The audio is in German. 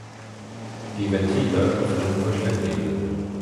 Die Ventile öffnen über Schlepphebel.